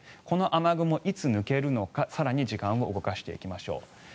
この雨雲、いつ抜けるのか更に時間動かしていきましょう。